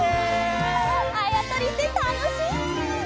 あやとりってたのしい！